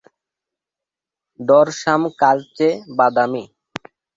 Dorsum কালচে বাদামি।